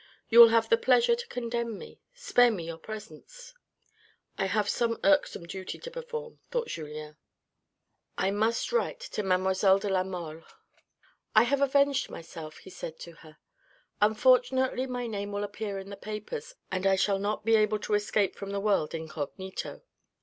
You will have the pleasure to condemn me. Spare me your presence." " I have an irksome duty to perform," thought Julien. " I must write to mademoiselle de la Mole :—" I have avenged myself," he said to her. " Unfortunately, my name will appear in the papers, and I shall not be able to escape from the world incognito.